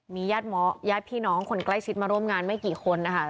มีญาติพี่น้องคนใกล้ชิดมาร่วมงานไม่กี่คนนะคะ